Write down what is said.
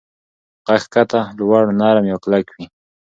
غږ کښته، لوړ، نرم یا کلک وي.